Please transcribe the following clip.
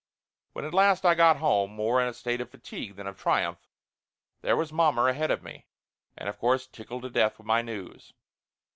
When at last I got home, more in a state of fatigue than of triumph, there was mommer ahead of me, and of course tickled to death with my news.